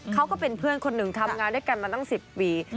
ก็เป็นเพื่อนคนหนึ่งทำงานด้วยกันมาตั้ง๑๐ปี